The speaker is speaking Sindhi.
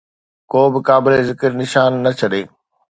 ڪو به قابل ذڪر نشان نه ڇڏي